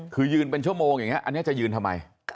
คือยืนเป็นชั่วโมงอย่างนี้อันนี้จะยืนทำไม